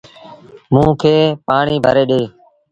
موݩ کي پآڻيٚ ڀري ڏي۔